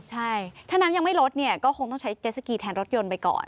ใช่ถ้าน้ำยังไม่ลดเนี่ยก็คงต้องใช้เจสสกีแทนรถยนต์ไปก่อน